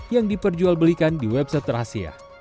yang diperjualbelikan di website rahasia